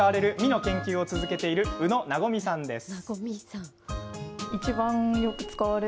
の研究を続けている宇野和さんです。